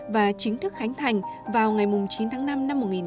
và chính thức khánh thành vào ngày chín tháng năm năm một nghìn chín trăm tám mươi năm